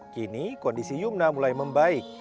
kini kondisi yumna mulai membaik